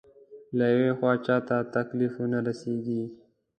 له يوې خوا چاته تکليف ونه رسېږي.